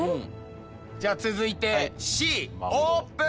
じゃあ続いてＣオープン！